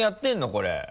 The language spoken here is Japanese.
これ。